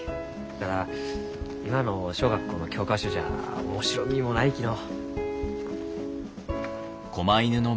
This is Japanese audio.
ただ今の小学校の教科書じゃ面白みもないきのう。